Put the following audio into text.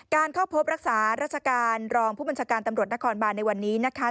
เข้าพบรักษาราชการรองผู้บัญชาการตำรวจนครบานในวันนี้นะคะ